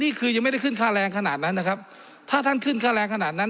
นี่คือยังไม่ได้ขึ้นค่าแรงขนาดนั้นนะครับถ้าท่านขึ้นค่าแรงขนาดนั้น